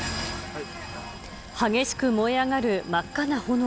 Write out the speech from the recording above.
激しく燃え上がる真っ赤な炎。